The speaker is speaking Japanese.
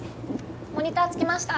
モニターつきました